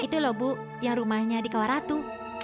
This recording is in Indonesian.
itu loh bu yang rumahnya di kawaratu